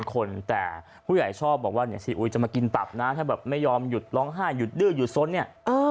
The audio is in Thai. คนแต่ผู้ใหญ่ชอบบอกว่าเนี่ยซีอุยจะมากินตับนะถ้าแบบไม่ยอมหยุดร้องไห้หยุดดื้อหยุดส้นเนี่ย